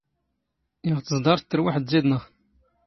ⵉⵖ ⵜⵥⴹⴰⵕⵜ, ⵜⵔⵡⴰⵃⵜ ⴷⵉⴷⵏⵖ.